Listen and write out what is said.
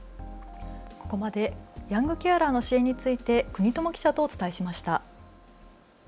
ここまでヤングケアラーの支援について國友記者とお伝えしました。